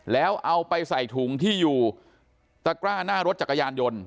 แล้วเอาไปใส่ถุงที่อยู่ตะกร้าหน้ารถจักรยานยนต์